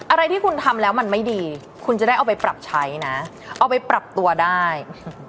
อะไรที่คุณทำแล้วมันไม่ดีคุณจะได้เอาไปปรับใช้นะเอาไปปรับตัวได้